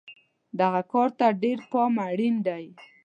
دغه کار ته ډېر پام اړین دی.